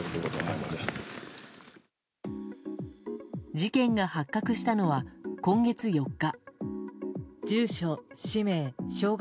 事件が発覚したのは今月４日。